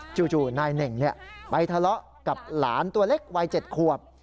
จู่นายเหน่งไปทะเลาะกับหลานตัวเล็กวัย๗ขวบ